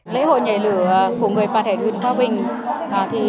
lễ hội nhảy lửa của người bà thẻn huyện quang bình